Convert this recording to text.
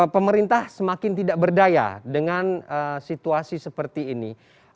pemerintah semakin tidak berdaya dengan situasi seperti ini